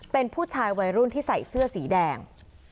เป็นผู้ชายวัยรุ่นที่ใส่เสื้อสีแดง